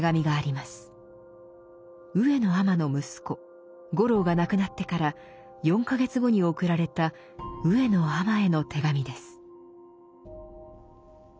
上野尼の息子五郎が亡くなってから４か月後に送られた上野尼への手紙です。